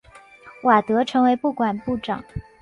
瓦德成为不管部长。